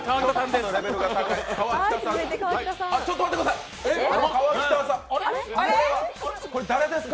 さあ、川北さんです。